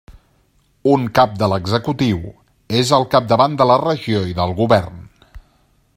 Un cap de l'executiu és al capdavant de la regió i del govern.